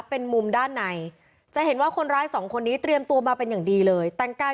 เป็นมุมด้านในจะเห็นว่าคนร้ายสองคนนี้เตรียมตัวมาเป็นอย่างดีเลยแต่งกาย